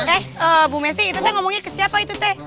oke bu messi itu teh ngomongnya ke siapa itu teh